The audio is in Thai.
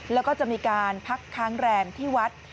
แล้วก็จะมีการพักค้างแรมที่วัด